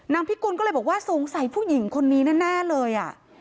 พิกุลก็เลยบอกว่าสงสัยผู้หญิงคนนี้แน่เลย